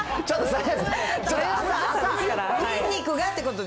ちょっと。